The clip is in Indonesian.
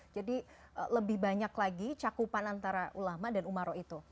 jadi lebih banyak lagi cakupan antara ulama dan umarok itu